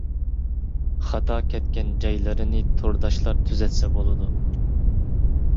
خاتا كەتكەن جايلىرىنى تورداشلار تۈزەتسە بولىدۇ.